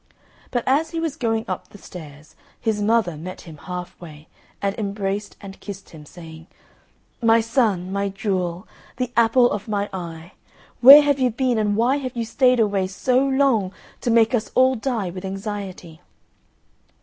But as he was going up the stairs his mother met him half way and embraced and kissed him, saying, "My son, my jewel, the apple of my eye, where have you been and why have you stayed away so long to make us all die with anxiety?"